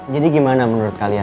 jadi gimana menurut kalian